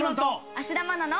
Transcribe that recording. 芦田愛菜の。